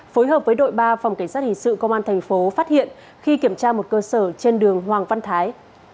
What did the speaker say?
phối hợp với đội ba phòng cảnh sát hình sự công an thành phố phát hiện khi kiểm tra một cơ sở trên đường hoàng văn thái